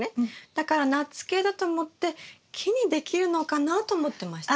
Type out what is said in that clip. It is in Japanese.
だからナッツ系だと思って木にできるのかなと思ってました。